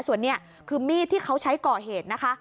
ส่วนนี้คือมีดที่เขาใช้ก่อเหตุนะคะ